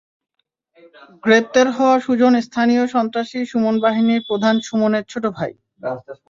গ্রেপ্তার হওয়া সুজন স্থানীয় সন্ত্রাসী সুমন বাহিনীর প্রধান সুমনের ছোট ভাই।